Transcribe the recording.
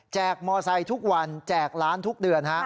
กมอไซค์ทุกวันแจกล้านทุกเดือน